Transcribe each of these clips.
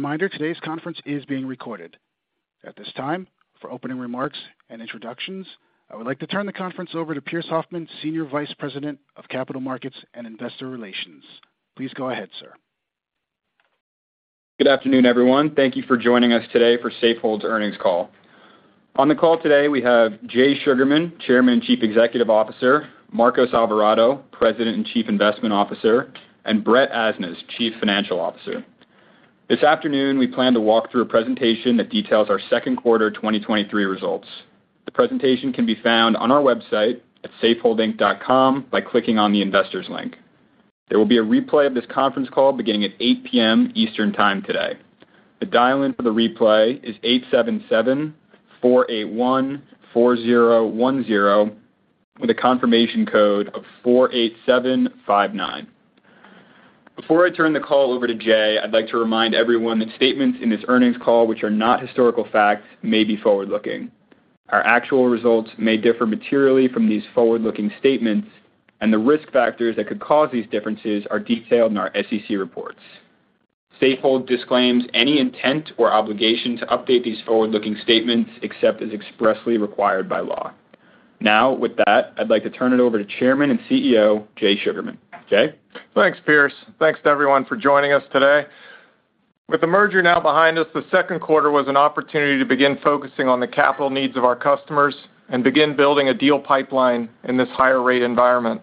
Reminder, today's conference is being recorded. At this time, for opening remarks and introductions, I would like to turn the conference over to Pearse Hoffmann, Senior Vice President of Capital Markets and Investor Relations. Please go ahead, sir. Good afternoon, everyone. Thank you for joining us today for Safehold's earnings call. On the call today, we have Jay Sugarman, Chairman and Chief Executive Officer; Marcos Alvarado, President and Chief Investment Officer; and Brett Asnas, Chief Financial Officer. This afternoon, we plan to walk through a presentation that details our second quarter 2023 results. The presentation can be found on our website at safeholdinc.com by clicking on the Investors link. There will be a replay of this conference call beginning at 8:00 P.M. Eastern Time today. The dial-in for the replay is 877-481-4010, with a confirmation code of 48759. Before I turn the call over to Jay, I'd like to remind everyone that statements in this earnings call which are not historical facts, may be forward-looking. Our actual results may differ materially from these forward-looking statements. The risk factors that could cause these differences are detailed in our SEC reports. Safehold disclaims any intent or obligation to update these forward-looking statements, except as expressly required by law. With that, I'd like to turn it over to Chairman and CEO, Jay Sugarman. Jay? Thanks, Pearse. Thanks to everyone for joining us today. With the merger now behind us, the second quarter was an opportunity to begin focusing on the capital needs of our customers and begin building a deal pipeline in this higher rate environment.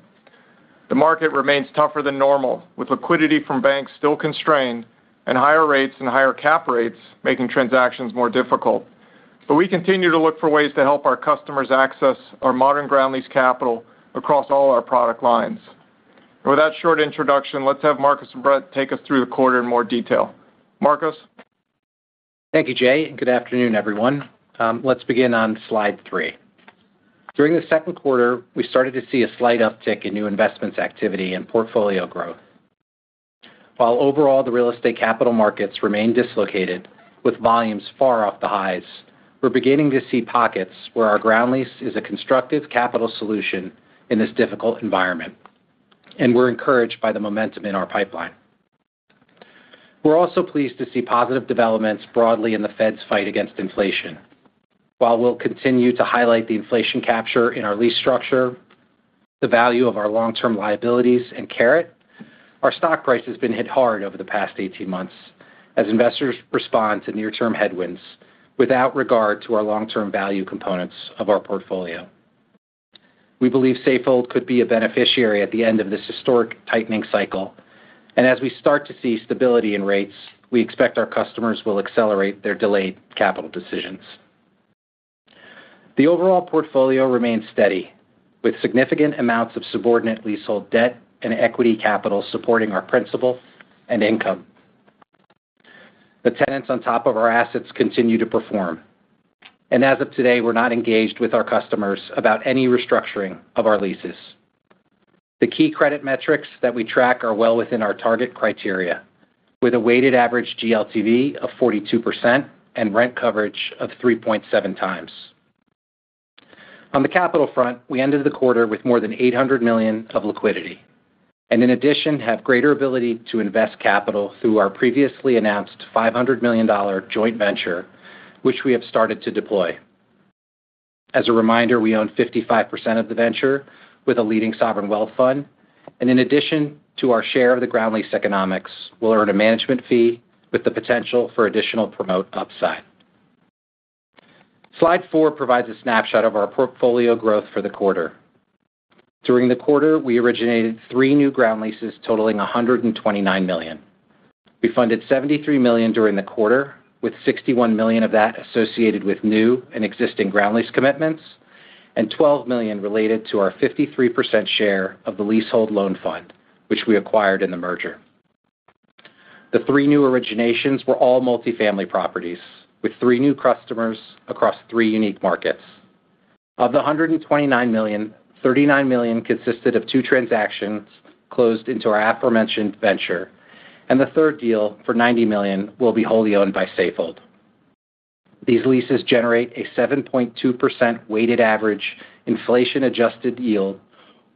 The market remains tougher than normal, with liquidity from banks still constrained, and higher rates and higher cap rates making transactions more difficult. We continue to look for ways to help our customers access our modern ground lease capital across all our product lines. With that short introduction, let's have Marcos Alvarado and Brett Asnas take us through the quarter in more detail. Marcos Alvarado? Thank you, Jay, good afternoon, everyone. Let's begin on slide 3. During the 2nd quarter, we started to see a slight uptick in new investments activity and portfolio growth. While overall, the real estate capital markets remain dislocated, with volumes far off the highs, we're beginning to see pockets where our ground lease is a constructive capital solution in this difficult environment, and we're encouraged by the momentum in our pipeline. We're also pleased to see positive developments broadly in the Fed's fight against inflation. While we'll continue to highlight the inflation capture in our lease structure, the value of our long-term liabilities and Caret, our stock price has been hit hard over the past 18 months as investors respond to near-term headwinds without regard to our long-term value components of our portfolio. We believe Safehold could be a beneficiary at the end of this historic tightening cycle, and as we start to see stability in rates, we expect our customers will accelerate their delayed capital decisions. The overall portfolio remains steady, with significant amounts of subordinate leasehold debt and equity capital supporting our principal and income. The tenants on top of our assets continue to perform, and as of today, we're not engaged with our customers about any restructuring of our leases. The key credit metrics that we track are well within our target criteria, with a weighted average GLTV of 42% and rent coverage of 3.7 times. On the capital front, we ended the quarter with more than $800 million of liquidity, and in addition, have greater ability to invest capital through our previously announced $500 million joint venture, which we have started to deploy. As a reminder, we own 55% of the venture with a leading sovereign wealth fund, and in addition to our share of the ground lease economics, we'll earn a management fee with the potential for additional promote upside. Slide 4 provides a snapshot of our portfolio growth for the quarter. During the quarter, we originated three new ground leases totaling $129 million. We funded $73 million during the quarter, with $61 million of that associated with new and existing ground lease commitments, and $12 million related to our 53% share of the Leasehold Loan Fund, which we acquired in the merger. The three new originations were all multifamily properties, with three new customers across three unique markets. Of the $129 million, $39 million consisted of two transactions closed into our aforementioned venture, and the third deal, for $90 million, will be wholly owned by Safehold. These leases generate a 7.2% weighted average inflation-adjusted yield,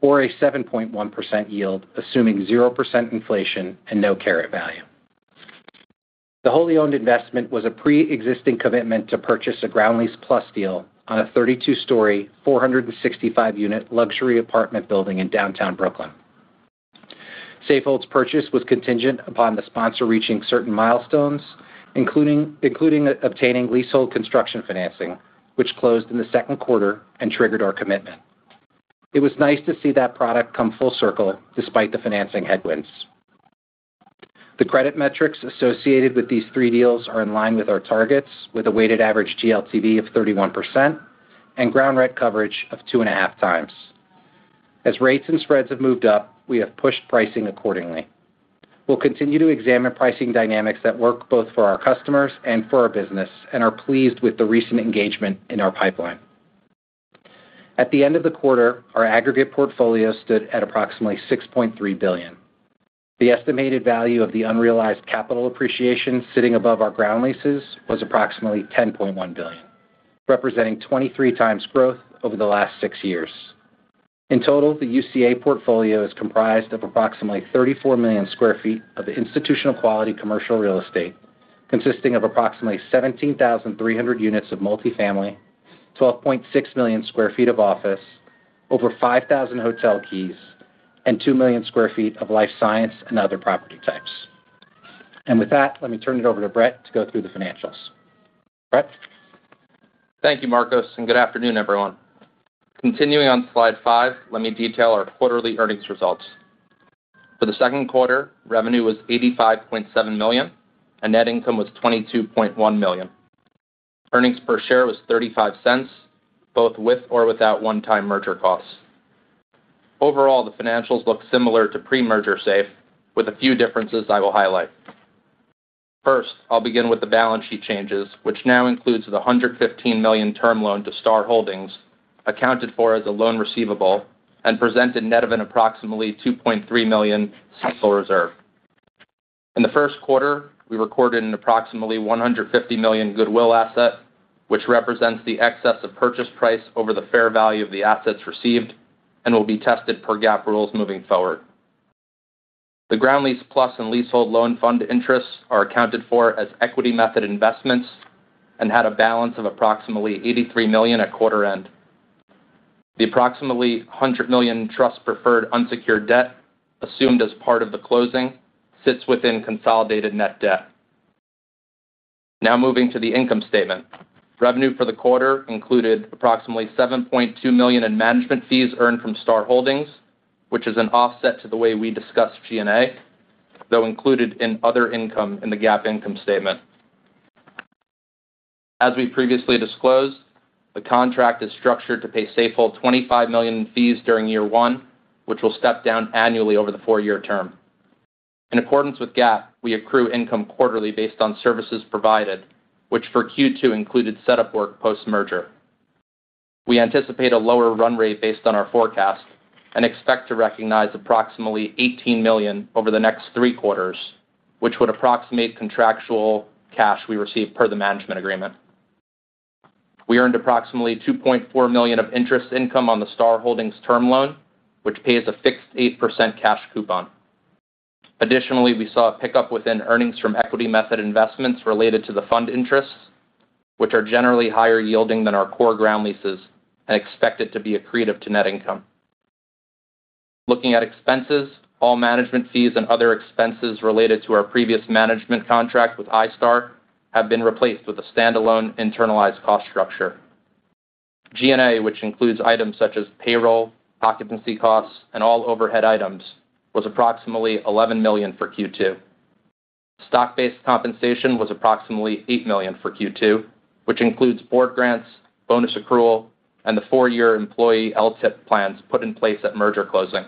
or a 7.1% yield, assuming 0% inflation and no Caret value. The wholly owned investment was a pre-existing commitment to purchase a Ground Lease Plus deal on a 32-storey, 465-unit luxury apartment building in downtown Brooklyn. Safehold's purchase was contingent upon the sponsor reaching certain milestones, including obtaining leasehold construction financing, which closed in the 2Q and triggered our commitment. It was nice to see that product come full circle despite the financing headwinds. The credit metrics associated with these three deals are in line with our targets, with a weighted average GLTV of 31% and ground rent coverage of 2.5 times. As rates and spreads have moved up, we have pushed pricing accordingly. We'll continue to examine pricing dynamics that work both for our customers and for our business and are pleased with the recent engagement in our pipeline. At the end of the quarter, our aggregate portfolio stood at approximately $6.3 billion. The estimated value of the unrealized capital appreciation sitting above our ground leases was approximately $10.1 billion, representing 23 times growth over the last 6 years. In total, the UCA portfolio is comprised of approximately 34 million sq ft of institutional-quality commercial real estate, consisting of approximately 17,300 units of multifamily, 12.6 million sq ft of office, over 5,000 hotel keys, and 2 million sq ft of life science and other property types. With that, let me turn it over to Brett to go through the financials. Brett? Thank you, Marcos. Good afternoon, everyone. Continuing on slide 5, let me detail our quarterly earnings results. For the second quarter, revenue was $85.7 million, and net income was $22.1 million. Earnings per share was $0.35, both with or without one-time merger costs. Overall, the financials look similar to pre-merger SAFE, with a few differences I will highlight. First, I'll begin with the balance sheet changes, which now includes the $115 million term loan to Star Holdings, accounted for as a loan receivable and presented net of an approximately $2.3 million reserve. In the first quarter, we recorded an approximately $150 million goodwill asset, which represents the excess of purchase price over the fair value of the assets received and will be tested per GAAP rules moving forward. The Ground Lease Plus and Leasehold Loan Fund interests are accounted for as equity method investments and had a balance of approximately $83 million at quarter end. The approximately $100 million trust preferred unsecured debt, assumed as part of the closing, sits within consolidated net debt. Moving to the income statement. Revenue for the quarter included approximately $7.2 million in management fees earned from Star Holdings, which is an offset to the way we discuss G&A, though included in other income in the GAAP income statement. As we previously disclosed, the contract is structured to pay Safehold $25 million in fees during year one, which will step down annually over the four-year term. In accordance with GAAP, we accrue income quarterly based on services provided, which for Q2 included setup work post-merger. We anticipate a lower run rate based on our forecast and expect to recognize approximately $18 million over the next three quarters, which would approximate contractual cash we receive per the management agreement. We earned approximately $2.4 million of interest income on the Star Holdings term loan, which pays a fixed 8% cash coupon. Additionally, we saw a pickup within earnings from equity method investments related to the fund interests, which are generally higher yielding than our core ground leases and expected to be accretive to net income. Looking at expenses, all management fees and other expenses related to our previous management contract with iStar have been replaced with a standalone internalized cost structure. G&A, which includes items such as payroll, occupancy costs, and all overhead items, was approximately $11 million for Q2. Stock-based compensation was approximately $8 million for Q2, which includes board grants, bonus accrual, and the four-year employee LTIP plans put in place at merger closing.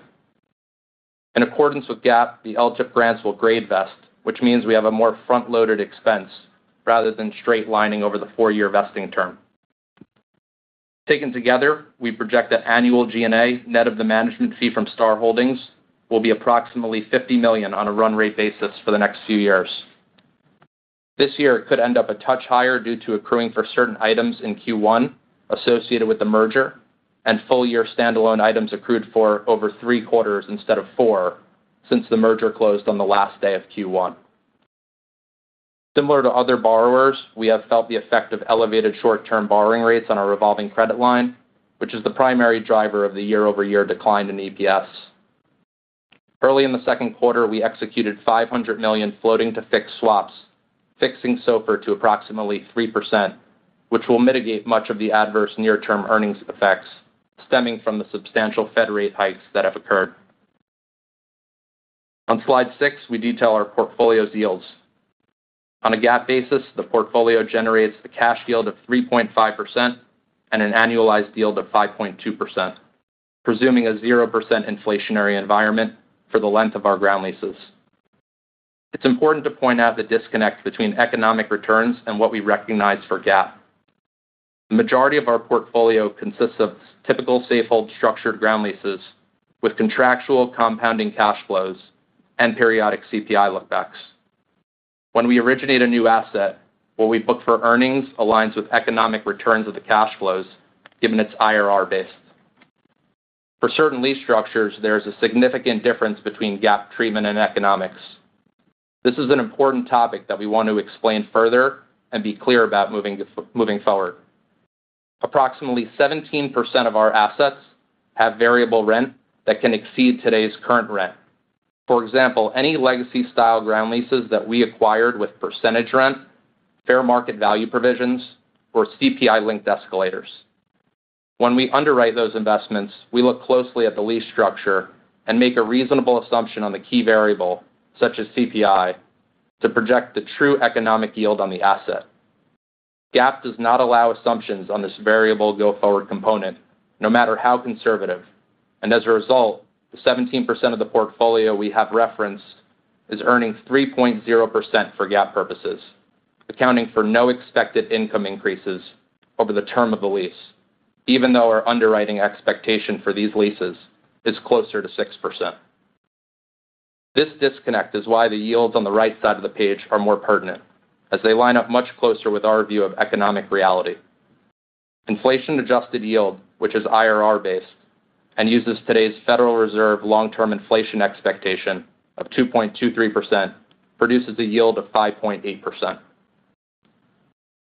In accordance with GAAP, the LTIP grants will grade vest, which means we have a more front-loaded expense rather than straight lining over the four-year vesting term. Taken together, we project that annual G&A, net of the management fee from Star Holdings, will be approximately $50 million on a run rate basis for the next few years. This year, it could end up a touch higher due to accruing for certain items in Q1 associated with the merger and full-year standalone items accrued for over three quarters instead of four, since the merger closed on the last day of Q1. Similar to other borrowers, we have felt the effect of elevated short-term borrowing rates on our revolving credit line, which is the primary driver of the year-over-year decline in EPS. Early in the second quarter, we executed $500 million floating to fixed swaps, fixing SOFR to approximately 3%, which will mitigate much of the adverse near-term earnings effects stemming from the substantial Fed rate hikes that have occurred. On slide 6, we detail our portfolio's yields. On a GAAP basis, the portfolio generates a cash yield of 3.5% and an annualized yield of 5.2%, presuming a 0% inflationary environment for the length of our ground leases. It's important to point out the disconnect between economic returns and what we recognize for GAAP. The majority of our portfolio consists of typical Safehold structured ground leases with contractual compounding cash flows and periodic CPI lookbacks. When we originate a new asset, what we book for earnings aligns with economic returns of the cash flows, given its IRR base. For certain lease structures, there is a significant difference between GAAP treatment and economics. This is an important topic that we want to explain further and be clear about moving forward. Approximately 17% of our assets have variable rent that can exceed today's current rent. For example, any legacy-style ground leases that we acquired with percentage rent, fair market value provisions, or CPI-linked escalators. When we underwrite those investments, we look closely at the lease structure and make a reasonable assumption on the key variable, such as CPI, to project the true economic yield on the asset. GAAP does not allow assumptions on this variable go-forward component, no matter how conservative, and as a result, the 17% of the portfolio we have referenced is earning 3.0% for GAAP purposes, accounting for no expected income increases over the term of the lease, even though our underwriting expectation for these leases is closer to 6%. This disconnect is why the yields on the right side of the page are more pertinent, as they line up much closer with our view of economic reality. Inflation-adjusted yield, which is IRR-based and uses today's Federal Reserve long-term inflation expectation of 2.23%, produces a yield of 5.8%.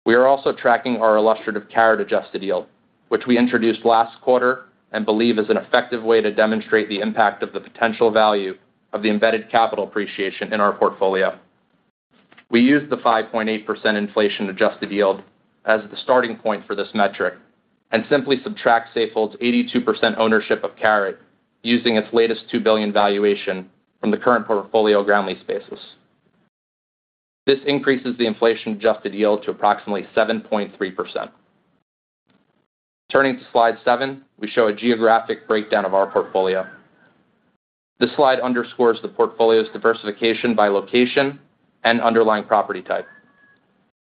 We are also tracking our illustrative Caret adjusted yield, which we introduced last quarter and believe is an effective way to demonstrate the impact of the potential value of the embedded capital appreciation in our portfolio. We use the 5.8% inflation-adjusted yield as the starting point for this metric and simply subtract Safehold's 82% ownership of Caret, using its latest $2 billion valuation from the current portfolio ground lease basis. This increases the inflation-adjusted yield to approximately 7.3%. Turning to slide 7, we show a geographic breakdown of our portfolio. This slide underscores the portfolio's diversification by location and underlying property type.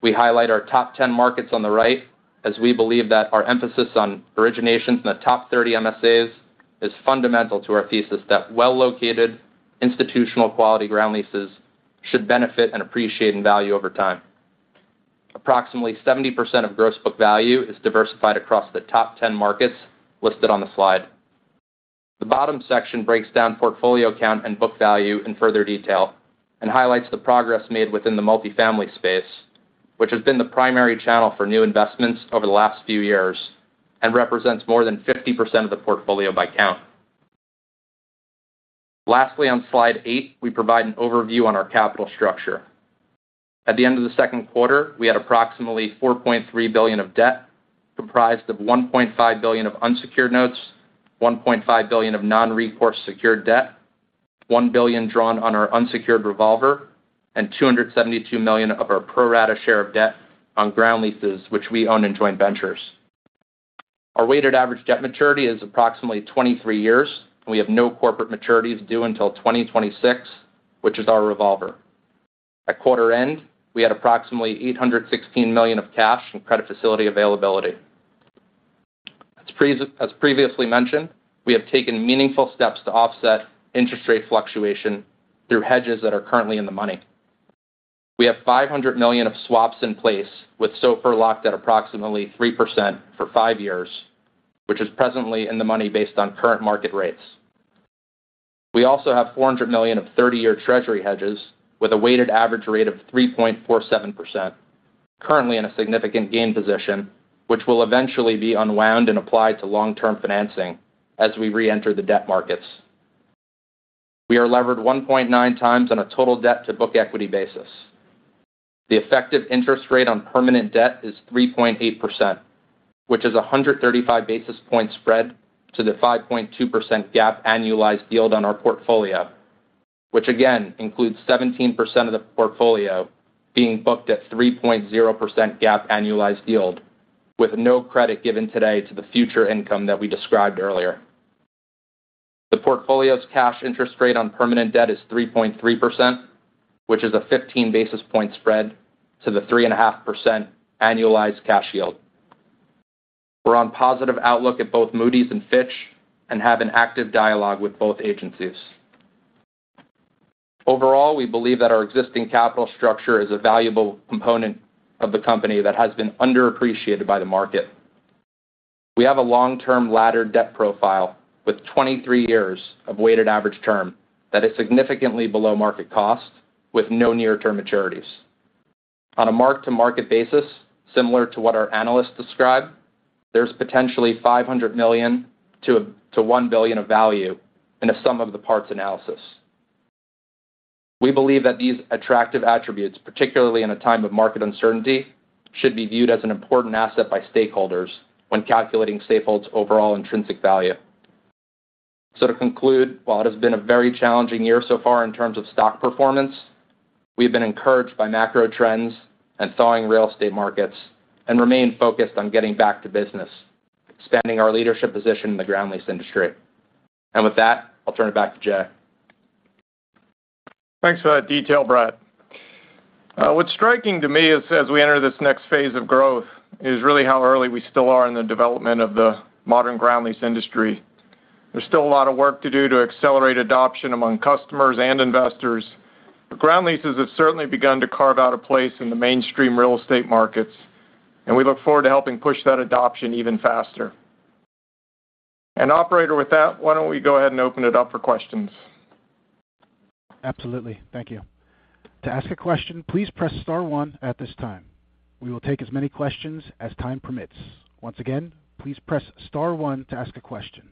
We highlight our top 10 markets on the right, as we believe that our emphasis on originations in the top 30 MSAs is fundamental to our thesis that well-located, institutional-quality ground leases should benefit and appreciate in value over time. Approximately 70% of gross book value is diversified across the 10 markets listed on the slide. The bottom section breaks down portfolio count and book value in further detail and highlights the progress made within the multifamily space, which has been the primary channel for new investments over the last few years and represents more than 50% of the portfolio by count. Lastly, on slide eight, we provide an overview on our capital structure. At the end of the second quarter, we had approximately $4.3 billion of debt, comprised of $1.5 billion of unsecured notes, $1.5 billion of non-recourse secured debt, $1 billion drawn on our unsecured revolver, and $272 million of our pro rata share of debt on ground leases, which we own in joint ventures. Our weighted average debt maturity is approximately 23 years. We have no corporate maturity to due until 2026, which is our revolver. At quarter end, we had approximately $816 million of cash and credit facility availability. As previously mentioned, we have taken meaningful steps to offset interest rate fluctuation through hedges that are currently in the money. We have $500 million of swaps in place, with SOFR locked at approximately 3% for 5 years, which is presently in the money based on current market rates. We also have $400 million of 30-year treasury hedges with a weighted average rate of 3.47%, currently in a significant gain position, which will eventually be unwound and applied to long-term financing as we reenter the debt markets. We are levered 1.9x on a total debt-to-book equity basis. The effective interest rate on permanent debt is 3.8%, which is a 135 basis point spread to the 5.2% GAAP annualized yield on our portfolio, which again includes 17% of the portfolio being booked at 3.0% GAAP annualized yield, with no credit given today to the future income that we described earlier. The portfolio's cash interest rate on permanent debt is 3.3%, which is a 15 basis point spread to the 3.5% annualized cash yield. We're on positive outlook at both Moody's and Fitch and have an active dialogue with both agencies. Overall, we believe that our existing capital structure is a valuable component of the company that has been underappreciated by the market. We have a long-term laddered debt profile with 23 years of weighted average term that is significantly below market cost, with no near-term maturities. On a mark-to-market basis, similar to what our analysts describe, there's potentially $500 million-$1 billion of value in a sum of the parts analysis. We believe that these attractive attributes, particularly in a time of market uncertainty, should be viewed as an important asset by stakeholders when calculating Safehold's overall intrinsic value. To conclude, while it has been a very challenging year so far in terms of stock performance, we've been encouraged by macro trends and thawing real estate markets and remain focused on getting back to business, expanding our leadership position in the ground lease industry. With that, I'll turn it back to Jay. Thanks for that detail, Brett. What's striking to me is, as we enter this next phase of growth, is really how early we still are in the development of the modern ground lease industry. There's still a lot of work to do to accelerate adoption among customers and investors, but ground leases have certainly begun to carve out a place in the mainstream real estate markets, and we look forward to helping push that adoption even faster. Operator, with that, why don't we go ahead and open it up for questions? Absolutely. Thank you. To ask a question, please press star one at this time. We will take as many questions as time permits. Once again, please press star one to ask a question.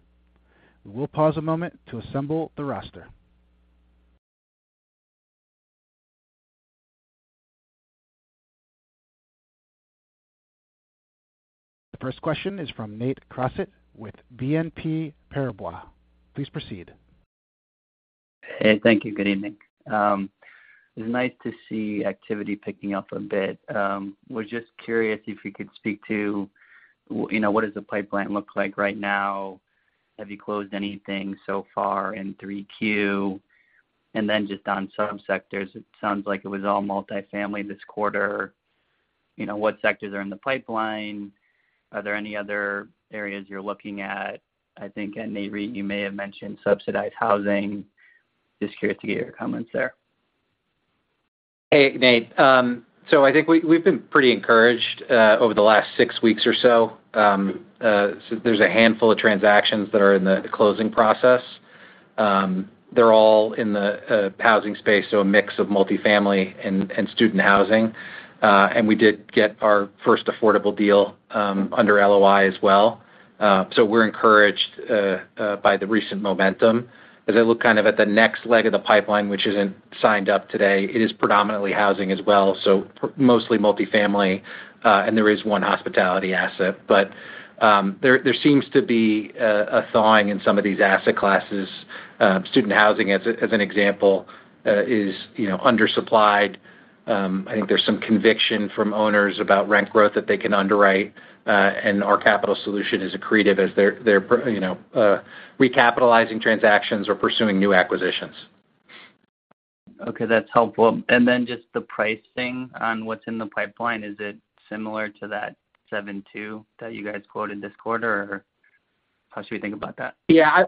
We will pause a moment to assemble the roster. The first question is from Nathan Crossett with BNP Paribas. Please proceed. Hey, thank you. Good evening. It's nice to see activity picking up a bit. Was just curious if you could speak to, you know, what does the pipeline look like right now? Have you closed anything so far in 3Q? Just on some sectors, it sounds like it was all multifamily this quarter. What sectors are in the pipeline? Are there any other areas you're looking at? I think, and, Brett, you may have mentioned subsidized housing. Just curious to get your comments there. Hey, Nate. I think we, we've been pretty encouraged over the last six weeks or so. There's a handful of transactions that are in the closing process. They're all in the housing space, so a mix of multifamily and, and student housing. We did get our first affordable deal under LOI as well. We're encouraged by the recent momentum. As I look kind of at the next leg of the pipeline, which isn't signed up today, it is predominantly housing as well, so mostly multifamily, and there is one hospitality asset. There, there seems to be a, a thawing in some of these asset classes. Student housing, as, as an example, is, you know, undersupplied. I think there's some conviction from owners about rent growth that they can underwrite, and our capital solution is accretive as they're, they're, you know, recapitalizing transactions or pursuing new acquisitions. Okay, that's helpful. Then just the pricing on what's in the pipeline, is it similar to that 7.2% that you guys quoted this quarter, or how should we think about that? Yeah,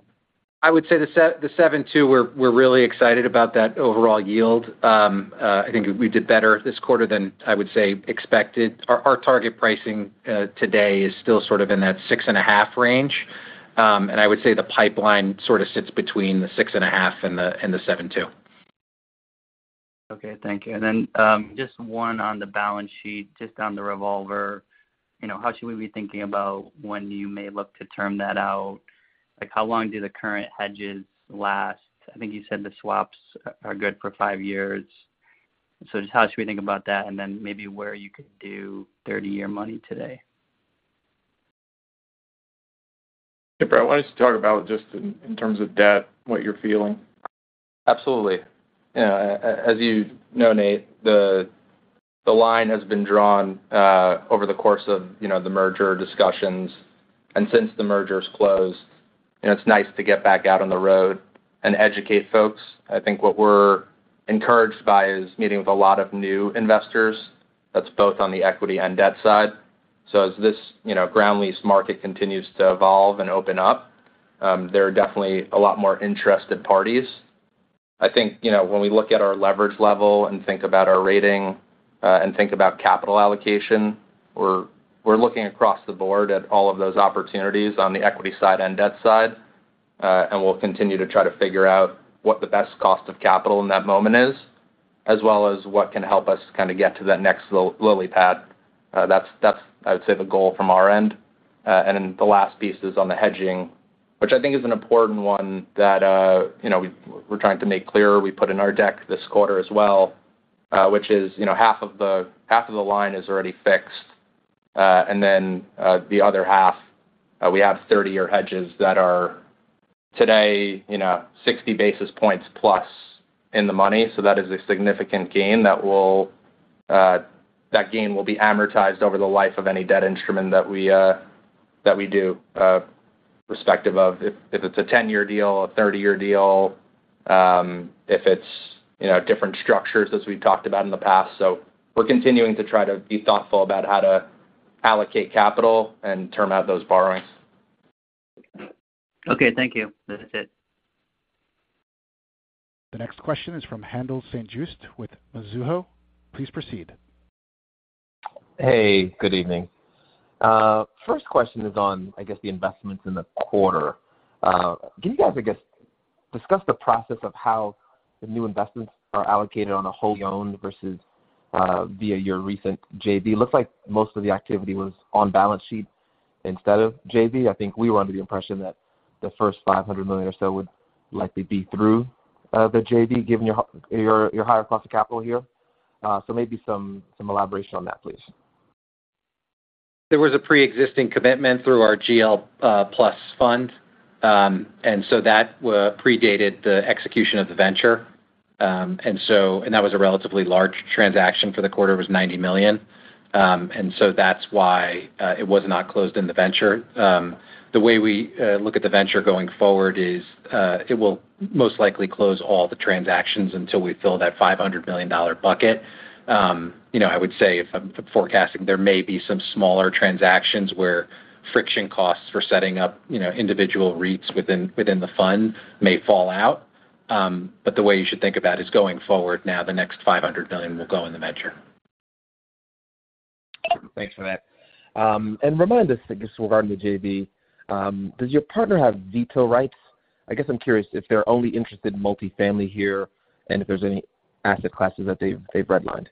I would say the 7.2%, we're, we're really excited about that overall yield. I think we did better this quarter than, I would say, expected. Our, our target pricing today is still sort of in that 6.5% range. I would say the pipeline sort of sits between the 6.5% and the 7.2%. Okay, thank you. Just one on the balance sheet, just on the revolver. You know, how should we be thinking about when you may look to term that out? Like, how long do the current hedges last? I think you said the swaps are good for 5 years. How should we think about that, and then maybe where you could do 30-year money today? Hey, bro, why don't you talk about just in, in terms of debt, what you're feeling? Absolutely. Yeah, as you know, Nate, the line has been drawn over the course of, you know, the merger discussions. Since the merger's closed, it's nice to get back out on the road and educate folks. I think what we're encouraged by is meeting with a lot of new investors. That's both on the equity and debt side. As this, you know, ground lease market continues to evolve and open up, there are definitely a lot more interested parties. I think, you know, when we look at our leverage level and think about our rating, and think about capital allocation, we're looking across the board at all of those opportunities on the equity side and debt side. We'll continue to try to figure out what the best cost of capital in that moment is, as well as what can help us kind of get to that next lily pad. That's, that's, I would say, the goal from our end. The last piece is on the hedging, which I think is an important one that, you know, we, we're trying to make clearer. We put in our deck this quarter as well, which is, you know, half of the line is already fixed. The other half, we have 30-year hedges that are today, you know, 60 basis points plus in the money. That is a significant gain that will that gain will be amortized over the life of any debt instrument that we that we do respective of, if, if it's a 10-year deal, a 30-year deal, if it's, you know, different structures as we've talked about in the past. We're continuing to try to be thoughtful about how to allocate capital and term out those borrowings. Okay, thank you. That's it. The next question is from Haendel St. Juste with Mizuho. Please proceed. Hey, good evening. First question is on, I guess, the investments in the quarter. Can you guys, I guess, discuss the process of how the new investments are allocated on a wholly owned versus via your recent JV? It looks like most of the activity was on balance sheet instead of JV. I think we were under the impression that the first $500 million or so would likely be through the JV, given your h- your, your higher cost of capital here. Maybe some, some elaboration on that, please. There was a pre-existing commitment through our GL Plus fund. That predated the execution of the venture. That was a relatively large transaction for the quarter, it was $90 million. That's why it was not closed in the venture. The way we look at the venture going forward is it will most likely close all the transactions until we fill that $500 million bucket. you know, I would say if I'm forecasting, there may be some smaller transactions where friction costs for setting up, you know, individual REITs within, within the fund may fall out. The way you should think about it is going forward now, the next $500 million will go in the venture. Thanks for that. Remind us, I guess, regarding the JV, does your partner have veto rights? I guess I'm curious if they're only interested in multifamily here and if there's any asset classes that they've, they've redlined.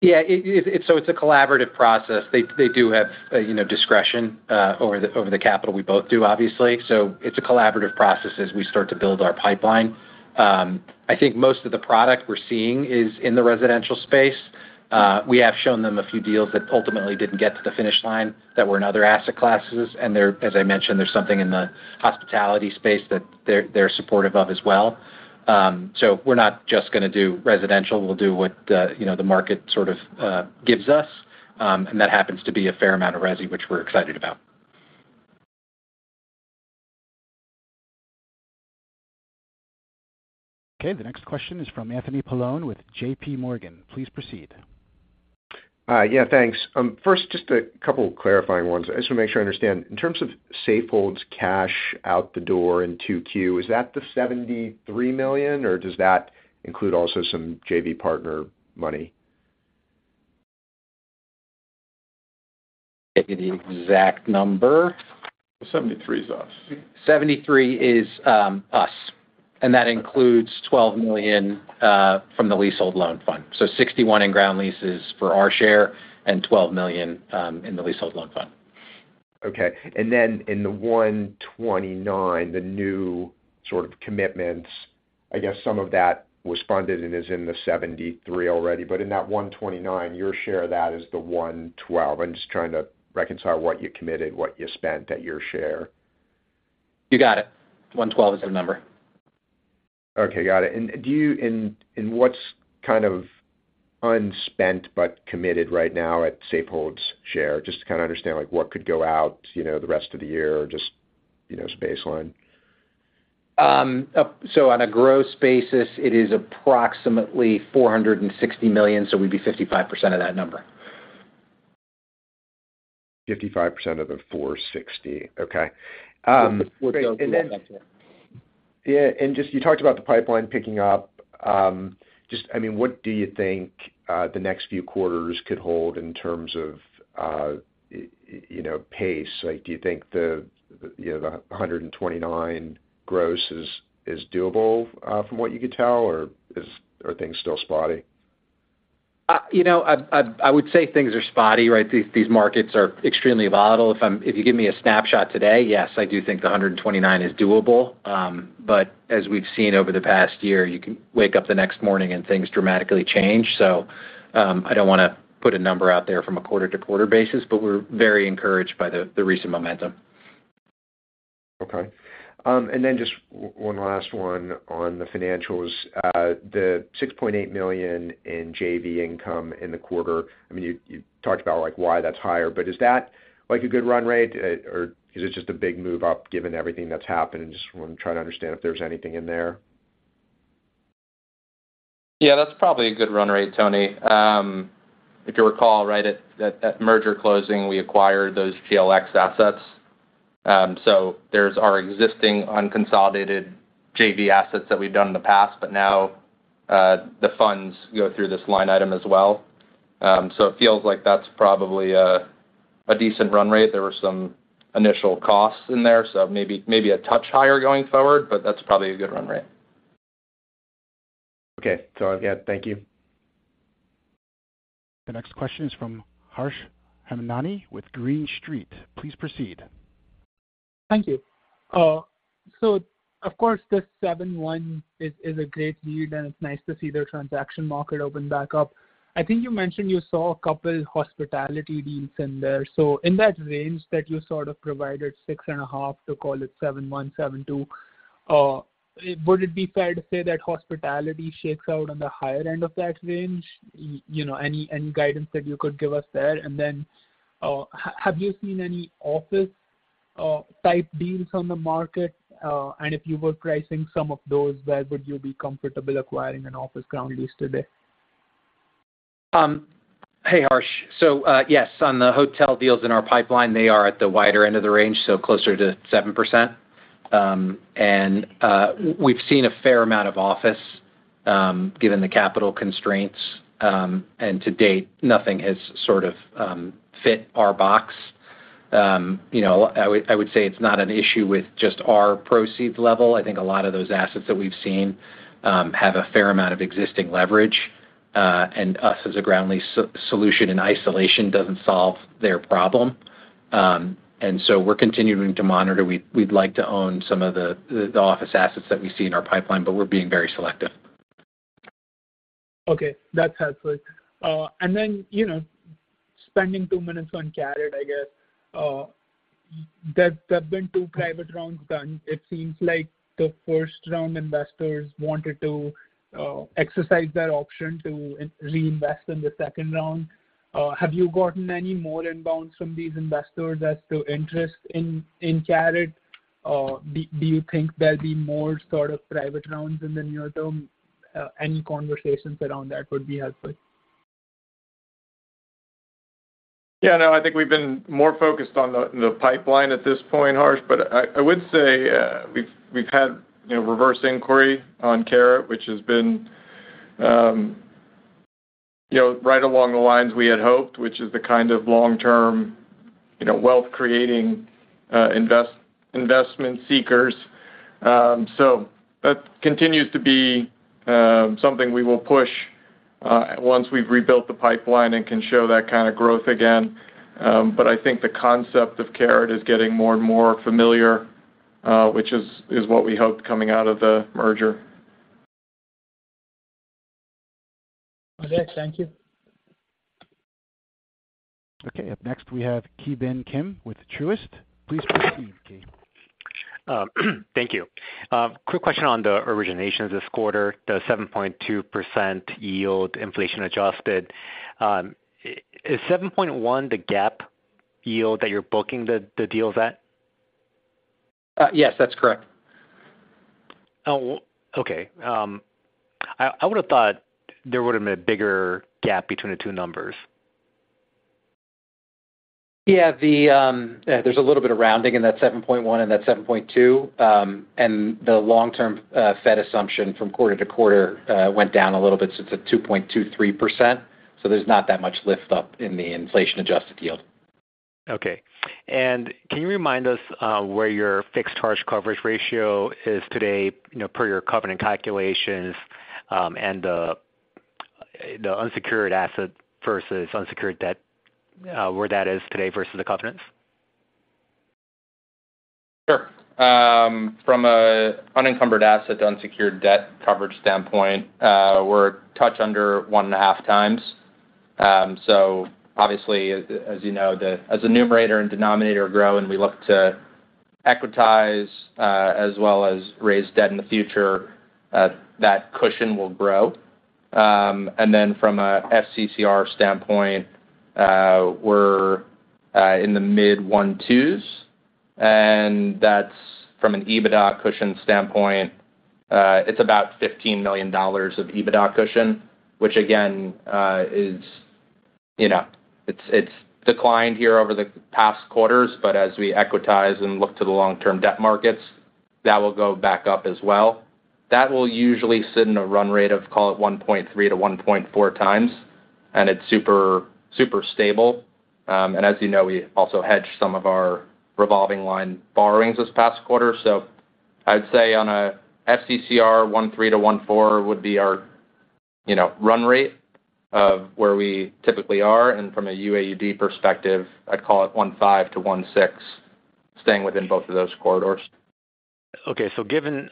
Yeah, it, it-- so it's a collaborative process. They, they do have, you know, discretion over the, over the capital. We both do, obviously. It's a collaborative process as we start to build our pipeline. I think most of the product we're seeing is in the residential space. We have shown them a few deals that ultimately didn't get to the finish line that were in other asset classes, and there-- as I mentioned, there's something in the hospitality space that they're, they're supportive of as well. We're not just gonna do residential, we'll do what, you know, the market sort of, gives us, and that happens to be a fair amount of resi, which we're excited about. Okay, the next question is from Anthony Paolone with JP Morgan. Please proceed. Hi. Yeah, thanks. First, just a couple clarifying ones. I just want to make sure I understand. In terms of Safehold's cash out the door in 2Q, is that the $73 million, or does that include also some JV partner money? Get the exact number. 73 is us. 73 is us, and that includes $12 million from the Leasehold Loan Fund. 61 in ground leases for our share and $12 million in the Leasehold Loan Fund. Okay. Then in the 129, the new sort of commitments, I guess some of that was funded and is in the 73 already. In that 129, your share of that is the 112. I'm just trying to reconcile what you committed, what you spent at your share. You got it. 112 is the number. Okay, got it. What's kind of unspent but committed right now at Safehold's share? Just to kind of understand, like, what could go out, you know, the rest of the year or just, you know, as baseline. On a gross basis, it is approximately $460 million, so we'd be 55% of that number. 55% of the 460. Okay. We'll go back to it. Yeah, just you talked about the pipeline picking up. Just, I mean, what do you think the next few quarters could hold in terms of, you know, pace? Like, do you think the, you know, the 129 gross is doable from what you could tell, or are things still spotty? You know, I, I, I would say things are spotty, right? These, these markets are extremely volatile. If you give me a snapshot today, yes, I do think the 129 is doable. As we've seen over the past year, you can wake up the next morning and things dramatically change. I don't want to put a number out there from a quarter-to-quarter basis, but we're very encouraged by the, the recent momentum. Okay. Then just one last one on the financials. The $6.8 million in JV income in the quarter, I mean, you, you talked about, like, why that's higher, but is that, like, a good run rate, or is it just a big move up given everything that's happened? Just want to try to understand if there's anything in there. Yeah, that's probably a good run rate, Tony. If you recall, right, at, at, at merger closing, we acquired those GL Plus. There's our existing unconsolidated JV assets that we've done in the past, but now, the funds go through this line item as well. It feels like that's probably a, a decent run rate. There were some initial costs in there, so maybe, maybe a touch higher going forward, but that's probably a good run rate. Okay. Yeah, thank you. The next question is from Harsh Hemnani with Green Street. Please proceed. Thank you. Of course, this 7.1 is, is a great lead, and it's nice to see their transaction market open back up. I think you mentioned you saw a couple hospitality deals in there. In that range that you sort of provided, 6.5, to call it 7.1-7.2, would it be fair to say that hospitality shakes out on the higher end of that range? You know, any, any guidance that you could give us there? Have you seen any office type deals on the market? If you were pricing some of those, where would you be comfortable acquiring an office ground lease today? Hey, Harsh. Yes, on the hotel deals in our pipeline, they are at the wider end of the range, so closer to 7%. We've seen a fair amount of office, given the capital constraints, and to date, nothing has sort of fit our box. You know, I would, I would say it's not an issue with just our proceeds level. I think a lot of those assets that we've seen, have a fair amount of existing leverage, and us, as a ground lease solution in isolation, doesn't solve their problem. We're continuing to monitor. We'd like to own some of the, the office assets that we see in our pipeline, but we're being very selective. Okay. That's helpful. You know, spending two minutes on Caret, I guess. There, there have been two private rounds done. It seems like the first-round investors wanted to exercise that option to reinvest in the second round. Have you gotten any more inbounds from these investors as to interest in, in Caret? Or do, do you think there'll be more sort of private rounds in the near term? Any conversations around that would be helpful. Yeah, no, I think we've been more focused on the, the pipeline at this point, Harsh. I, I would say, we've, we've had, you know, reverse inquiry on Caret, which has been, you know, right along the lines we had hoped, which is the kind of long-term, you know, wealth-creating, invest- investment seekers. That continues to be something we will push once we've rebuilt the pipeline and can show that kind of growth again. I think the concept of Caret is getting more and more familiar, which is, is what we hoped coming out of the merger. Okay. Thank you. Okay, up next, we have Ki Bin Kim with Truist. Please proceed, Ki. Thank you. Quick question on the originations this quarter, the 7.2% yield, inflation-adjusted. Is 7.1 the GAAP yield that you're booking the, the deals at? Yes, that's correct. Oh, okay. I would have thought there would have been a bigger gap between the two numbers. Yeah, the, there's a little bit of rounding in that 7.1 and that 7.2. The long-term Fed assumption from quarter to quarter went down a little bit, so it's at 2.23%, so there's not that much lift up in the inflation-adjusted yield. Okay. can you remind us, where your fixed charge coverage ratio is today, you know, per your covenant calculations, and the, the unsecured asset versus unsecured debt, where that is today versus the covenants? Sure. From a unencumbered asset to unsecured debt coverage standpoint, we're a touch under 1.5 times. Obviously, as, as you know, as the numerator and denominator grow and we look to equitize, as well as raise debt in the future, that cushion will grow. From a FCCR standpoint, we're in the mid 1.2s, and that's from an EBITDA cushion standpoint, it's about $15 million of EBITDA cushion, which again, is, you know, it's, it's declined here over the past quarters, as we equitize and look to the long-term debt markets, that will go back up as well. That will usually sit in a run rate of, call it, 1.3-1.4 times, it's super, super stable. As you know, we also hedged some of our revolving line borrowings this past quarter. I'd say on a FCCR, 1.3-1.4 would be our, you know, run rate of where we typically are. From a UA/UD perspective, I'd call it 1.5-1.6, staying within both of those corridors. Okay, so given,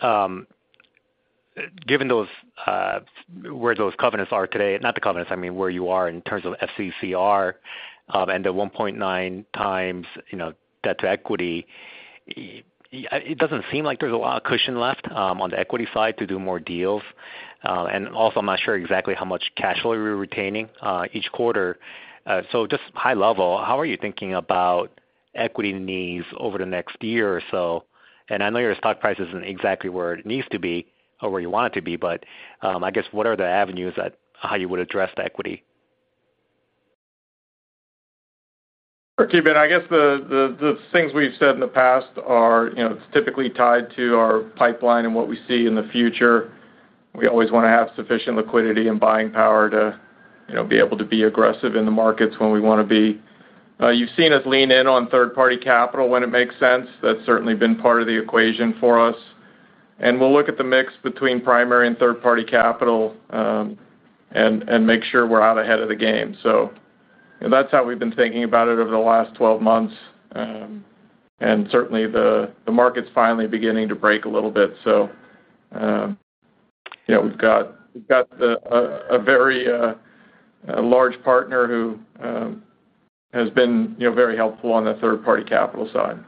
given those, where those covenants are today-- not the covenants, I mean, where you are in terms of FCCR, and the 1.9 times, you know, debt to equity, it doesn't seem like there's a lot of cushion left on the equity side to do more deals. Also, I'm not sure exactly how much cash flow you're retaining each quarter. Just high level, how are you thinking about equity needs over the next year or so? I know your stock price isn't exactly where it needs to be or where you want it to be, but, I guess what are the avenues that how you would address the equity? Sure, Ki Bin, I guess the things we've said in the past are, you know, it's typically tied to our pipeline and what we see in the future. We always wanna have sufficient liquidity and buying power to, you know, be able to be aggressive in the markets when we wanna be. You've seen us lean in on third-party capital when it makes sense. That's certainly been part of the equation for us. We'll look at the mix between primary and third-party capital and make sure we're out ahead of the game. That's how we've been thinking about it over the last 12 months. Certainly, the market's finally beginning to break a little bit. Yeah, we've got we've got a very large partner who has been, you know, very helpful on the third-party capital side.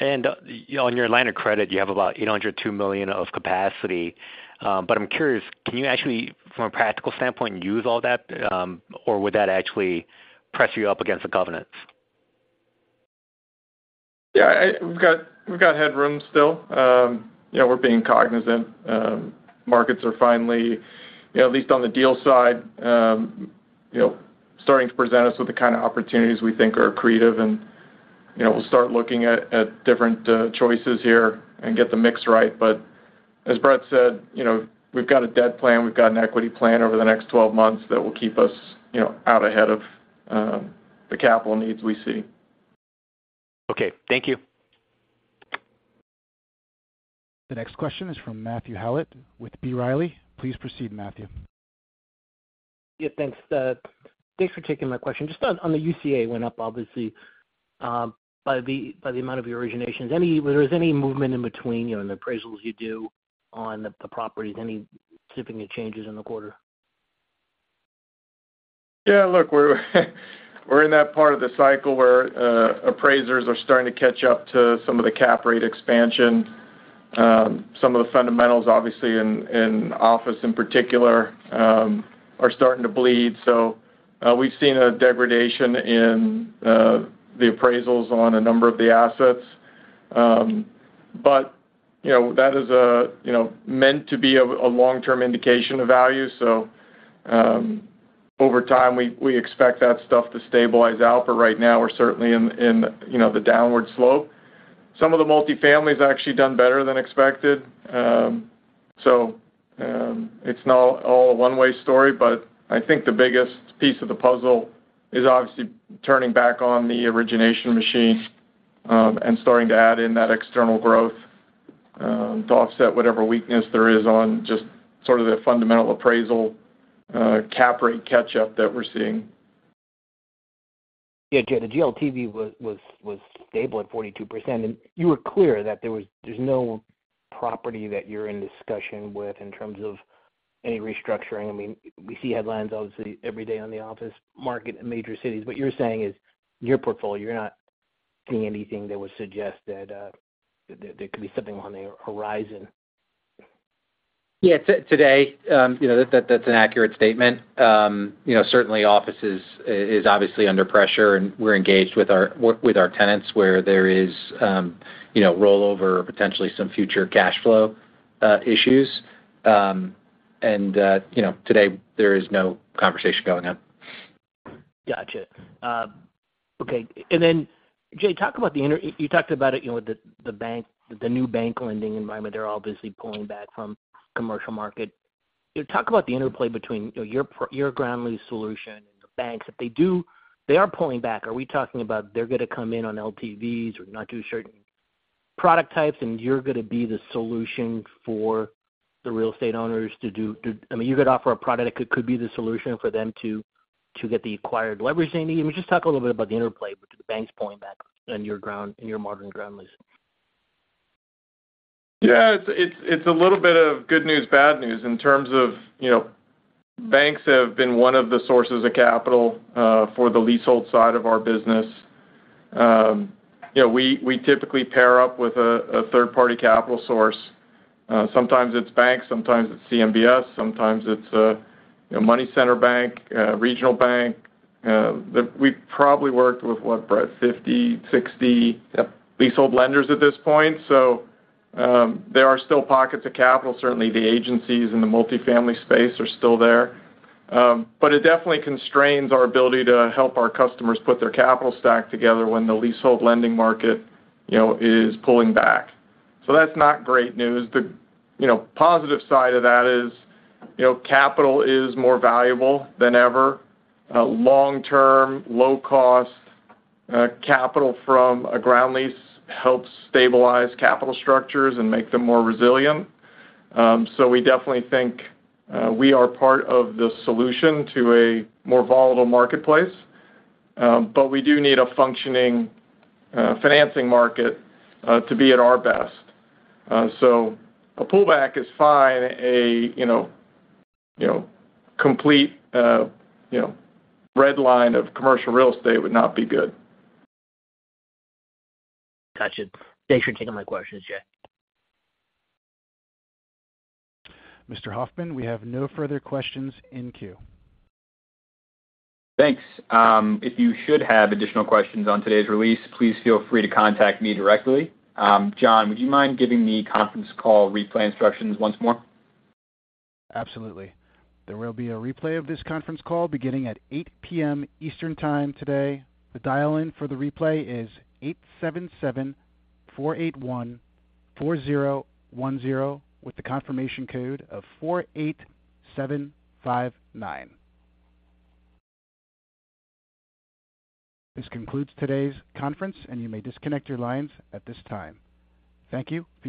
You know, on your line of credit, you have about $802 million of capacity. I'm curious, can you actually, from a practical standpoint, use all that, or would that actually press you up against the governance? Yeah, I-- we've got, we've got headroom still. Yeah, we're being cognizant. Markets are finally, you know, at least on the deal side, you know, starting to present us with the kind of opportunities we think are accretive, and, you know, we'll start looking at, at different choices here and get the mix right. As Brett said, you know, we've got a debt plan, we've got an equity plan over the next 12 months that will keep us, you know, out ahead of the capital needs we see. Okay, thank you. The next question is from Matthew Howlett with B. Riley. Please proceed, Matthew. Yeah, thanks. Thanks for taking my question. Just on, on the UCA went up, obviously, by the, by the amount of your originations. Any whether there's any movement in between, you know, and the appraisals you do on the, the properties, any significant changes in the quarter? Yeah, look, we're, we're in that part of the cycle where appraisers are starting to catch up to some of the cap rate expansion. Some of the fundamentals, obviously, in, in office, in particular, are starting to bleed. We've seen a degradation in the appraisals on a number of the assets. But, you know, that is, you know, meant to be a, a long-term indication of value. Over time, we, we expect that stuff to stabilize out, but right now we're certainly in, in, you know, the downward slope. Some of the multifamily has actually done better than expected. It's not all a one-way story, but I think the biggest piece of the puzzle is obviously turning back on the origination machine, and starting to add in that external growth, to offset whatever weakness there is on just sort of the fundamental appraisal, cap rate catch-up that we're seeing. Yeah, yeah, the GLTV was, was, was stable at 42%. You were clear that there's no property that you're in discussion with in terms of any restructuring. I mean, we see headlines, obviously, every day on the office market in major cities. What you're saying is, your portfolio, you're not seeing anything that would suggest that, that, that there could be something on the horizon? Yeah, today, you know, that, that's an accurate statement. You know, certainly offices is obviously under pressure, and we're engaged with our, with, with our tenants where there is, you know, rollover or potentially some future cash flow issues. You know, today, there is no conversation going on. Gotcha. Okay. Then, Jay, talk about the you talked about it, you know, with the, the bank, the new bank lending environment. They're obviously pulling back from commercial market. Talk about the interplay between, you know, your your ground lease solution and the banks. If they do, they are pulling back. Are we talking about they're gonna come in on LTVs or not do certain product types, and you're gonna be the solution for the real estate owners to I mean, you could offer a product that could, could be the solution for them to, to get the acquired leveraging. I mean, just talk a little bit about the interplay between the banks pulling back and your ground, and your modern ground lease. Yeah, it's, it's, it's a little bit of good news, bad news in terms of, you know, banks have been one of the sources of capital for the leasehold side of our business. You know, we, we typically pair up with a third-party capital source. Sometimes it's banks, sometimes it's CMBS, sometimes it's a, you know, money center bank, a regional bank. We've probably worked with, what, Brett? 50, 60 leasehold lenders at this point. There are still pockets of capital. Certainly, the agencies in the multifamily space are still there. It definitely constrains our ability to help our customers put their capital stack together when the leasehold lending market, you know, is pulling back. That's not great news. The, you know, positive side of that is, you know, capital is more valuable than ever. Long-term, low-cost, capital from a ground lease helps stabilize capital structures and make them more resilient. We definitely think, we are part of the solution to a more volatile marketplace, but we do need a functioning, financing market, to be at our best. A pullback is fine. A, you know, you know, complete, you know, red line of commercial real estate would not be good. Gotcha. Thanks for taking my questions, Jay. Mr. Hoffmann, we have no further questions in queue. Thanks. If you should have additional questions on today's release, please feel free to contact me directly. John, would you mind giving the conference call replay instructions once more? Absolutely. There will be a replay of this conference call beginning at 8:00 P.M. Eastern Time today. The dial-in for the replay is 877-481-4010, with the confirmation code of 48759. This concludes today's conference. You may disconnect your lines at this time. Thank you, and